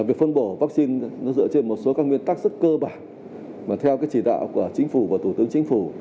việc phân bổ vaccine nó dựa trên một số các nguyên tắc rất cơ bản mà theo chỉ đạo của chính phủ và thủ tướng chính phủ